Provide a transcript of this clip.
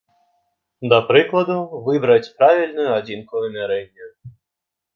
Да прыкладу, выбраць правільную адзінку вымярэння.